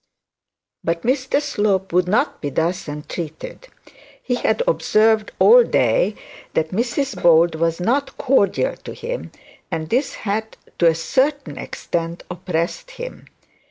But Mr Slope would not be thus entreated. He had observed all day that Mrs Bold was not cordial to him, and this had to a certain extent oppressed him.